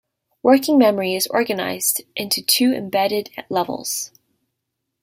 Working memory is organized into two embedded levels.